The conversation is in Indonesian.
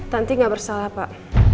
tanti gak bersalah pak